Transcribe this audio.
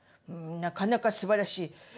なかなかすばらしい。